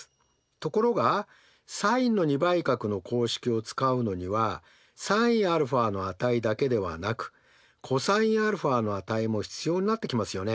ところがサインの２倍角の公式を使うのにはｓｉｎαの値だけではなくｃｏｓαの値も必要になってきますよね。